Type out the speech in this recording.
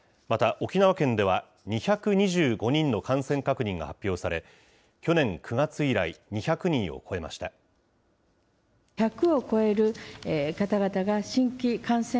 また、沖縄県では２２５人の感染確認が発表され、去年９月以来、２００人を超えました。